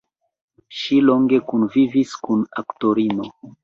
Ŝi longe kunvivis kun aktorino.